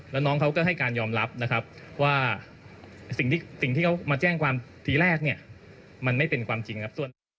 แล้วน้องเขาก็ให้การยอมรับนะครับว่าสิ่งที่เขามาแจ้งความทีแรกเนี่ยมันไม่เป็นความจริงครับ